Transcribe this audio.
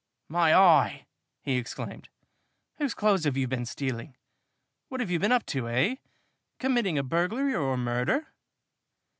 "My eye!" he exclaimed. "Whose clothes have you been stealing? What have you been up to, eh? Committing a burglary or a murder?"